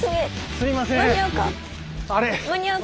すいません！